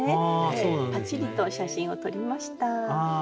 パチリと写真を撮りました。